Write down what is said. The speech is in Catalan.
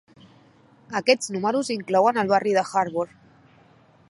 Aquests números inclouen el barri de Harburg.